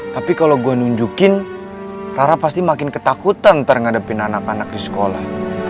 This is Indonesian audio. tapi kalau gue nunjukin rara pasti makin ketakutan ntar ngadepin anak anak di sekolah